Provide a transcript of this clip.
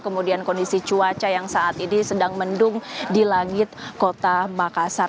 kemudian kondisi cuaca yang saat ini sedang mendung di langit kota makassar